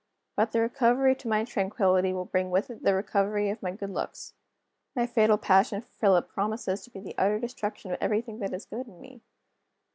But the recovery to my tranquillity will bring with it the recovery of my good looks. My fatal passion for Philip promises to be the utter destruction of everything that is good in me.